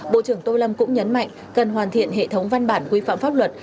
bộ trưởng tô lâm cũng nhấn mạnh cần hoàn thiện hệ thống văn bản quy phạm pháp luật